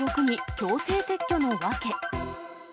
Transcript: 強制撤去の訳。